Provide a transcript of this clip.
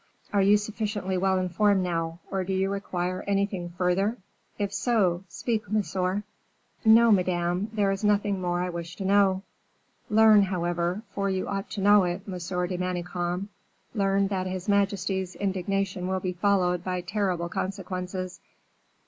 Are you sufficiently well informed now, or do you require anything further? If so, speak, monsieur." "No, Madame, there is nothing more I wish to know." "Learn, however for you ought to know it, Monsieur de Manicamp learn that his majesty's indignation will be followed by terrible consequences.